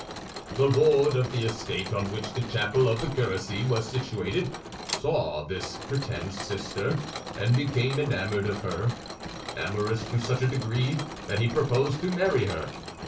"The Lord of the estate on which the chapel of the curacy was situated saw this pretend sister, and became enamoured of her—amorous to such a degree that he proposed to marry her.